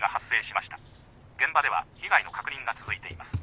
現場では被害の確認が続いています」。